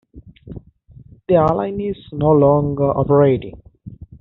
The airline is no longer operating.